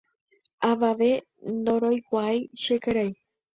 avave ndoroikuaái che karai